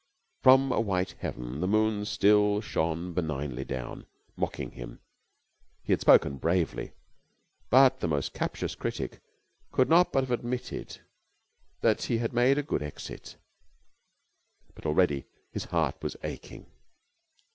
From a white heaven the moon still shone benignantly down, mocking him. He had spoken bravely: the most captious critic could not but have admitted that he had made a good exit. But already his heart was aching.